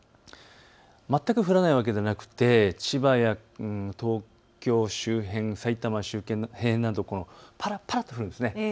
全く降らないわけではなくて千葉や東京周辺、埼玉周辺などぱらぱらと降るんです。